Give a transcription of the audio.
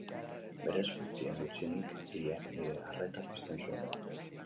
Berez, gutxien-gutxienik, hiriak nire arreta pizten zuen.